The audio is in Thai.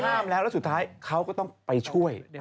ห้ามแล้วแล้วสุดท้ายเขาก็ต้องไปช่วย